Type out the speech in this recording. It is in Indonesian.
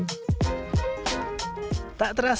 tak terasa waktu sudah menunjukkan keberadaan